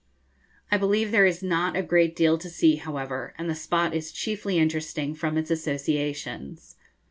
I believe there is not a great deal to see, however, and the spot is chiefly interesting from its associations.